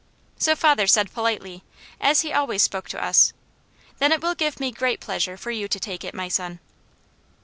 So father said politely, as he always spoke to us: "Then it will give me great pleasure for you to take it, my son."